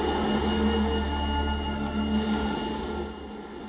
lombok itu akan menjadi lombok yang lebih ramai